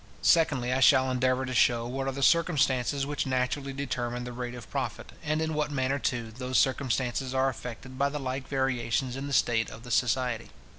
Secondly, I shall endeavour to shew what are the circumstances which naturally determine the rate of profit; and in what manner, too, those circumstances are affected by the like variations in the state of the society.